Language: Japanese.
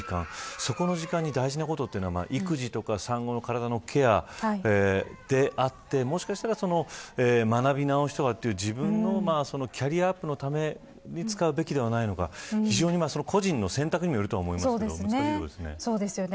そこの時間に大事なことというのは育児とか産後の体のケアであってもしかしたら学び直しとかという自分のキャリアアップのために使うべきではないのか非常に個人の選択にもよるとはそうですよね。